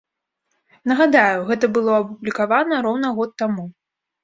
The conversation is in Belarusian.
Нагадаю, гэта было апублікавана роўна год таму.